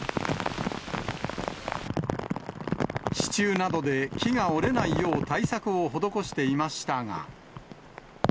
支柱などで木が折れないよう、対策を施していましたが。